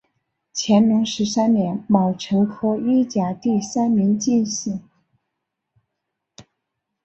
乾隆十三年戊辰科一甲第三名进士。